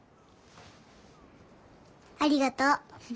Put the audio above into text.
ありがとう。